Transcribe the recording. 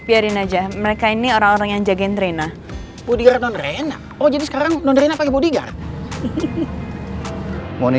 beredar aku tidur ini